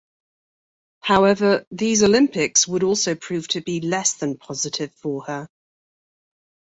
However, these Olympics would also prove to be less than positive for her.